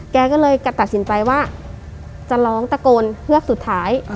แกก็เลยตัดสินใจว่าจะร้องตะโกนเฮือกสุดท้าย